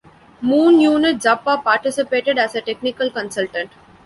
Moon Unit Zappa participated as a technical consultant.